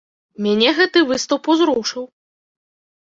Мяне гэты выступ узрушыў!